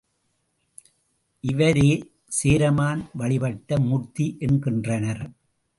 இவரே சேரமான் வழிபட்ட மூர்த்தி என்கின்றனர்.